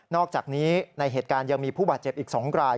อกจากนี้ในเหตุการณ์ยังมีผู้บาดเจ็บอีก๒ราย